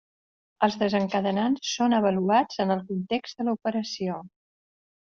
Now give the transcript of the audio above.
Els desencadenants són avaluats en el context de l'operació.